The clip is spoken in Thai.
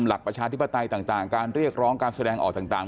ประชาธิปไตยต่างการเรียกร้องการแสดงออกต่าง